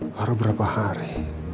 baru beberapa hari